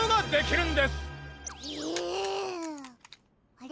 あれ？